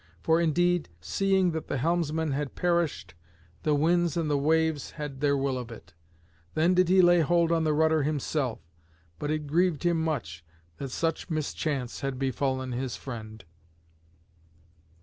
For indeed, seeing that the helmsman had perished, the winds and the waves had their will of it. Then did he lay hold on the rudder himself, but it grieved him much that such mischance had befallen his friend.